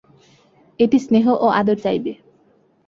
এটি স্নেহ ও আদর চাইবে।